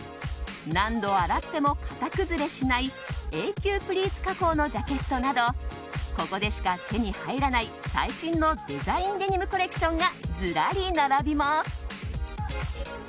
何度洗っても型崩れしない永久プリーツ加工のジャケットなどここでしか手に入らない、最新のデザインデニムコレクションがずらり並びます。